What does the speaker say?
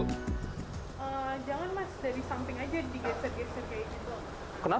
jangan mas dari samping aja digeser geser kayak gitu